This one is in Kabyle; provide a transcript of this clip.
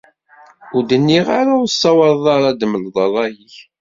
Ur d-nniɣ ara ur tessawaḍeḍ ara d-temleḍ rray-ik.